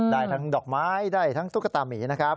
ได้ทั้งดอกไม้ได้ทั้งตุ๊กตามีนะครับ